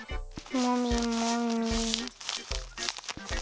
もみもみ。